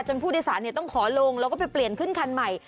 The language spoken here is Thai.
ผู้โดยสารต้องขอลงแล้วก็ไปเปลี่ยนขึ้นคันใหม่